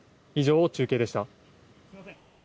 以上、中継でした。